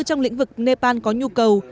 trong lĩnh vực nepal có nhu cầu